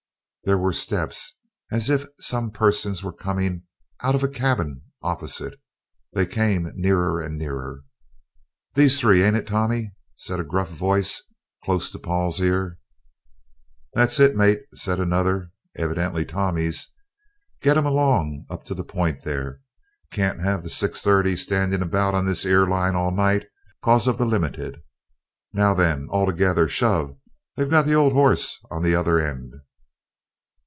There were steps as if some persons were coming out of a cabin opposite they came nearer and nearer: "These three, ain't it, Tommy?" said a gruff voice, close to Paul's ear. "That's it, mate," said another, evidently Tommy's "get 'em along up to the points there. Can't have the 6.30 standing about on this 'ere line all night, 'cos of the Limited. Now then, all together, shove! they've got the old 'orse on at the other end."